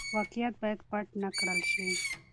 واقعيت بايد پټ نه کړل شي.